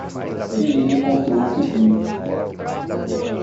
E ele contou o que viu.